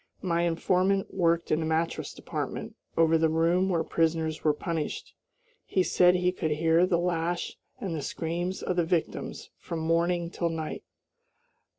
My informant worked in the mattress department, over the room where prisoners were punished. He said he could hear the lash and the screams of the victims from morning till night.